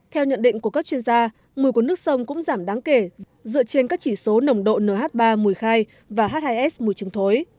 theo nhận định của các chuyên gia mùi của nước sông cũng giảm đáng kể dựa trên các chỉ số nồng độ nh ba mùi khai và h hai s mùi trứng thối